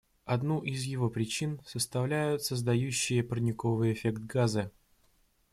Одну из его причин составляют создающие парниковый эффект газы.